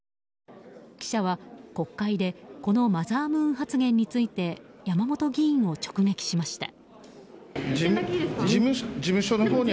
記者は国会でこのマザームーン発言について山本議員を直撃しました。